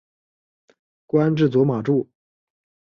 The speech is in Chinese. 官至左马助。